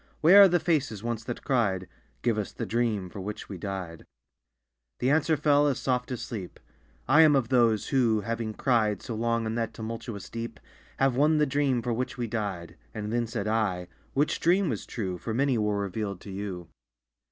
Where are the faces once that cried 'Give us the dream for which we died'?" The answer fell as soft as sleep, "I am of those who, having cried So long in that tumultuous deep, Have won the dream for which we died." And then said I "Which dream was true? For many were revealed to you!"